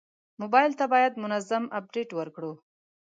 موبایل ته باید منظم اپډیټ ورکړو.